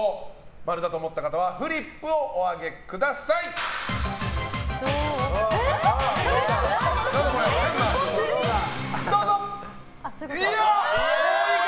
○だと思った方はフリップをお上げください！多いか！